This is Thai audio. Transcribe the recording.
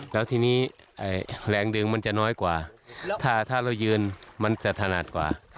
แล้วทีนี้แรงดึงมันจะน้อยกว่าถ้าเรายืนมันจะถนัดกว่า